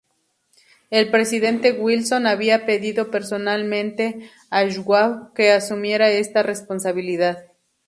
El presidente Wilson había pedido personalmente a Schwab que asumiera esta responsabilidad.